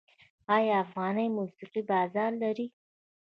آیا افغاني موسیقي بازار لري؟